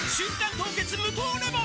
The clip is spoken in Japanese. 凍結無糖レモン」